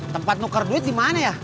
tempat nuker duit dimana ya